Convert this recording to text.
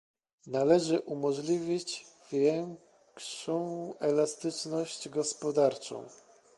Należy umożliwić większą elastyczność gospodarczą